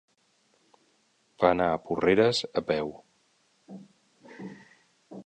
Va anar a Porreres a peu.